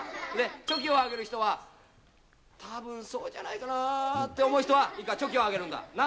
チョキを挙げる人は、たぶんそうじゃないかなって思う人は、いいか、チョキを挙げるんだ、な。